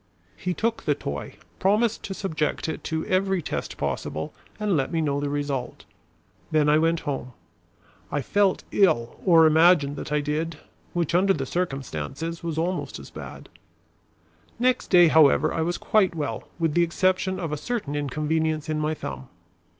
He took the toy, promised to subject it to every test possible and let me know the result. Then I went home. I felt ill, or imagined that I did, which under the circumstances was almost as bad. Next day, however, I was quite well, with the exception of a certain inconvenience in my thumb.